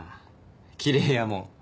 きれいやもん。